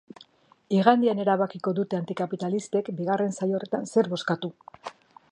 Igandean erabakiko dute antikapitalistek bigarren saio horretan zer bozkatu.